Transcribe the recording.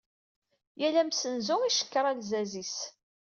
Yal amsenzu icekkeṛ alzaz-is.